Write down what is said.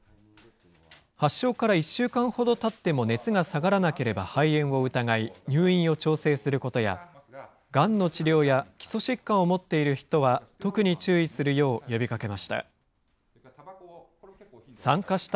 発症から１週間ほどたっても熱が下がらなければ肺炎を疑い、入院を調整することや、がんの治療や基礎疾患を持っている人は特に注意するよう呼びかけました。